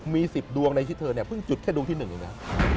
มี๑๐ดวงในชุดเธอเนี่ยเพิ่งจุดแค่ดวงที่๑อีกนะ